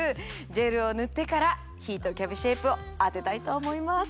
ジェルを塗ってからヒートキャビシェイプを当てたいと思います